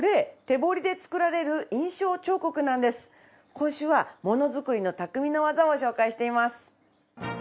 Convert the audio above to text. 今週はものづくりの匠の技を紹介しています。